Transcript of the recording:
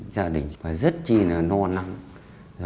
gia đình rất chi là no nắng